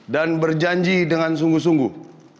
dan berjanji dengan sungguh sungguh